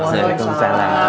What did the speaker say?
kau cek kadang saya duluan ya